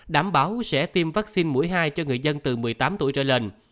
đảm bảo sẽ tiêm vaccine mũi hai cho người dân từ một mươi tám tuổi trở lên